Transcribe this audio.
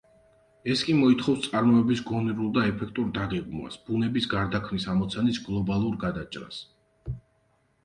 ეს კი მოითხოვს წარმოების გონივრულ და ეფექტურ დაგეგმვას, ბუნების გარდაქმნის ამოცანის გლობალურ გადაჭრას.